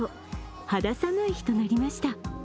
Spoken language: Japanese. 肌寒い日となりました。